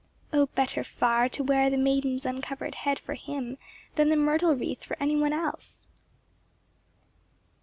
O better far to wear the maiden's uncovered head for him than the myrtle wreath for any one else!